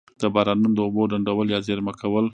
د بارانونو د اوبو ډنډول یا زیرمه کول.